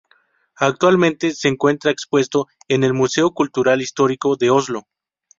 Actualmente se encuentra expuesto en el Museo Cultural Histórico de Oslo.